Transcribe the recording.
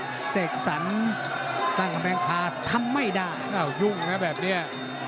เข้าอยากค่าทำไม่ได้